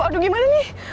aduh gimana nih